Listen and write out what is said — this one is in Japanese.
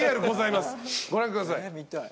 ご覧ください。